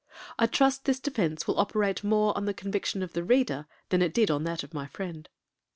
I trust this defence will operate more on the conviction of the Reader, than it did on that of my friend.